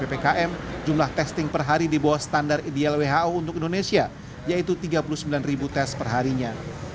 ppkm jumlah testing per hari di bawah standar ideal who untuk indonesia yaitu tiga puluh sembilan ribu tes perharinya